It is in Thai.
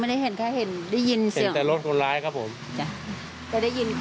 ไม่ได้เห็นแค่ฟังช่องเครื่องมูลแต่กล้าโรดคนร้ายครับพี่